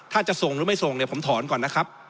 ถ้าจะส่งหรือไม่ส่งเนี่ยผมถอนก่อนนะครับ